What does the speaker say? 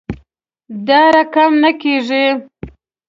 دا رقم نه کیږي